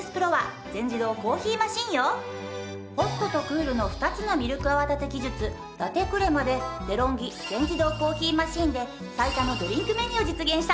ホットとクールの２つのミルク泡立て技術ラテクレマでデロンギ全自動コーヒーマシンで最多のドリンクメニューを実現したの。